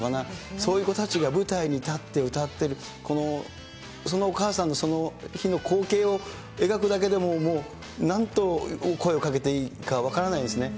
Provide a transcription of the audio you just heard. そういう子たちが舞台に立って歌ってる、そのお母さんのその日の光景を描くだけでも、もうなんと声をかけていいか分からないですね。